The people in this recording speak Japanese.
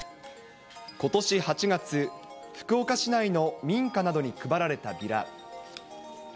ことし８月、福岡市内の民家などに配られたビラ。